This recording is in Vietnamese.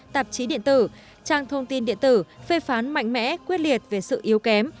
tạp chí điện tử trang thông tin điện tử phê phán mạnh mẽ quyết liệt về sự yếu kém